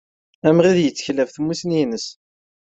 Amɣid yettkel ɣef tmussni-nnes.